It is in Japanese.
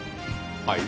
はい？